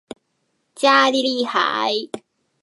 加利利海。